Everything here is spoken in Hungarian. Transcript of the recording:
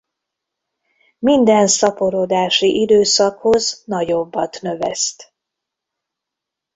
Minden szaporodási időszakhoz nagyobbat növeszt.